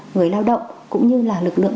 người lao động cũng như là lực lượng